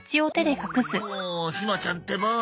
んもひまちゃんってば。